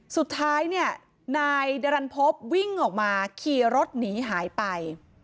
สุดท้ายเนี่ยนายดรันพบวิ่งออกมาขี่รถหนีหายไป